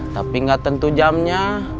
tapi gak tentu jamnya